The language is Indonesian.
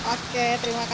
oke terima kasih